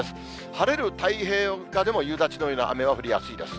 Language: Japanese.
晴れる太平洋側でも夕立のような雨は降りやすいです。